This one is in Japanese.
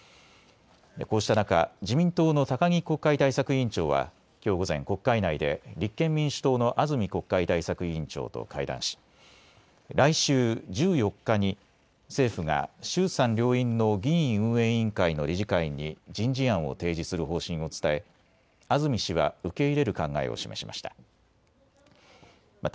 こうした中、自民党の高木国会対策委員長はきょう午前、国会内で立憲民主党の安住国会対策委員長と会談し来週１４日に政府が衆参両院の議院運営委員会の理事会に人事案を提示する方針を伝え安住氏は受け入れる考えを示しました。